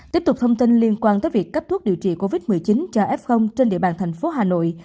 tiếp tục thông tin liên quan tới việc cấp thuốc điều trị covid một mươi chín cho f trên địa bàn thành phố hà nội